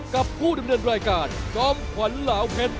กับผู้ดำเนินรายการจอมขวัญเหลาเพชร